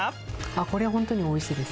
これ本当においしいです。